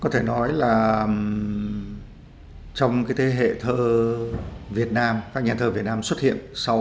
thơ việt nam các nhà thơ việt nam xuất hiện sau một nghìn chín trăm bảy mươi năm